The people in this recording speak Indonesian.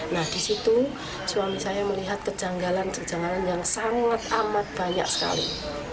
nah di situ suami saya melihat kejanggalan kejanggalan yang sangat amat banyak sekali